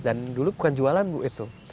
dan dulu bukan jualan bu itu